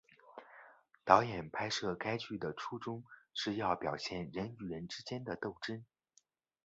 导演拍摄该剧的初衷是要表现人与人之间的斗争。